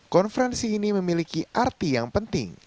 konferensi ini memiliki arti yang penting